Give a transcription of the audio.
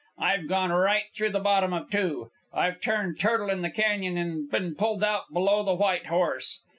I've gone right through the bottom of two. I've turned turtle in the Canyon and been pulled out below the White Horse.